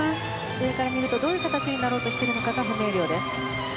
上から見るとどういう形になろうとしているか不明瞭です。